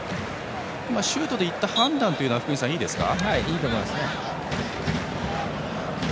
シュートでいった判断は福西さん、いいですか？